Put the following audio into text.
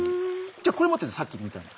じゃこれ持っててさっきみたいに。